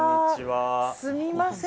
すみません